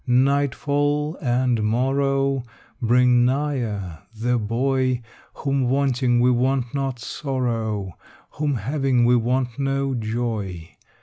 Nightfall and morrow Bring nigher the boy Whom wanting we want not sorrow, Whom having we want no joy.